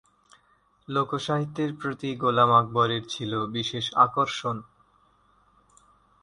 লোকসাহিত্যের প্রতি গোলাম আকবরের ছিল বিশেষ আকর্ষণ।